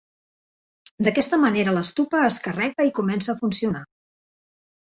D'aquesta manera la stupa es carrega i comença a funcionar.